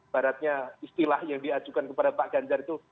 baratnya istilah yang diajukan kepada pak ganjar itu